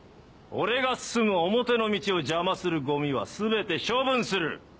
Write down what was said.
俺が進む表の道を邪魔するゴミは全て処分する！